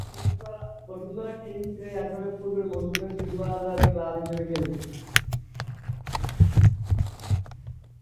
Bashundhara Kings এই আসরে পূর্বের মৌসুমের শিরোপাধারী ক্লাব হিসেবে খেলেছে।